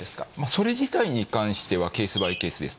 それ自体に関しては、ケースバイケースです。